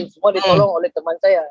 semua ditolong oleh teman saya